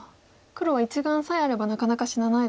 黒は１眼さえあればなかなか死なないだろうと。